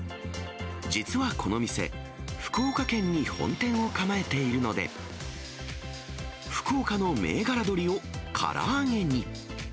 実はこの店、福岡県に本店を構えているので、福岡の銘柄鶏をから揚げに。